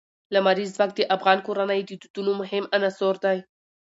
لمریز ځواک د افغان کورنیو د دودونو مهم عنصر دی.